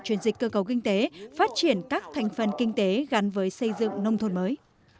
chuyển dịch cơ cầu kinh tế phát triển các thành phần kinh tế gắn với xây dựng nông thôn mới